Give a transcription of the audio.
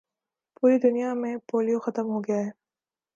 پوری دنیا میں پولیو ختم ہو گیا ہے